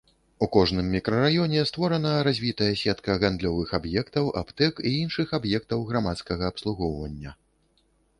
У кожным мікрараёне створана развітая сетка гандлёвых аб'ектаў, аптэк і іншых аб'ектаў грамадскага абслугоўвання.